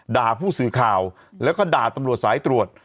ด่าผู้สื่อข่าวแล้วก็ด่าตำรวจสายตรวจ